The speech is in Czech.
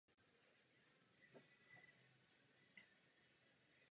Vstup do něj umožňují čtyři portály se štukovou výzdobou.